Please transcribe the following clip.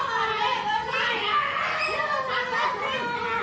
ไอ้แม่ได้เอาแม่ดูนะ